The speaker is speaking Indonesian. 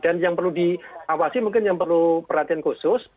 dan yang perlu diawasi mungkin yang perlu perhatian khusus